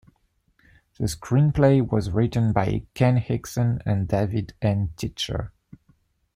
The screenplay was written by Ken Hixon and David N. Titcher.